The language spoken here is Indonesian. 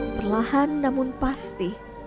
perlahan namun pasti